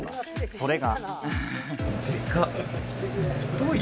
それが。